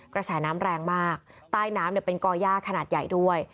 กระแสน้ำแรงมากใต้น้ำเป็นก่อย่าขนาดใหญ่ด้วย